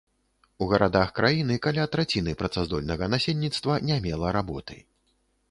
У гарадах краіны каля траціны працаздольнага насельніцтва не мела работы.